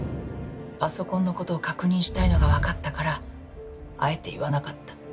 パソコンの事を確認したいのがわかったからあえて言わなかった。